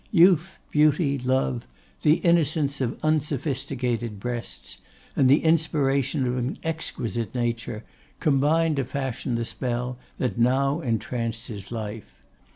Youth, beauty, love, the innocence of unsophisticated breasts, and the inspiration of an exquisite nature, combined to fashion the spell that now entranced his life.